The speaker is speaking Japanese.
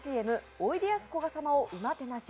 「おいでやすこが様をうまてなし」